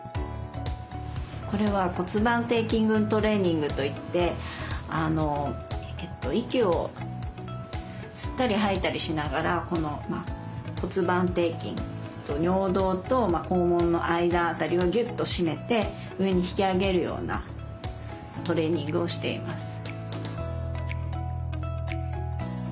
これは骨盤底筋群トレーニングといって息を吸ったり吐いたりしながらこの骨盤底筋尿道と肛門の間あたりをぎゅっと締めて上に引き上げるようなトレーニングをしています。